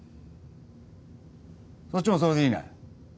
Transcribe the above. そっちもそれでいいな？